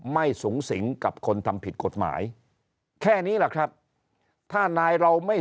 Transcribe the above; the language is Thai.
ไม่สูงสิงกับคนทำผิดกฎหมายแค่นี้แหละครับถ้านายเราไม่